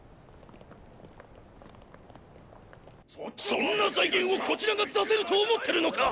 そんな財源をこちらが出せると思ってるのか！